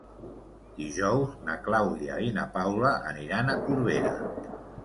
Dijous na Clàudia i na Paula aniran a Corbera.